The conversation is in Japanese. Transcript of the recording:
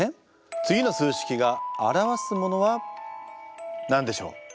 次の数式が表すものは何でしょう？